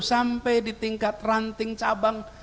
sampai di tingkat ranting cabang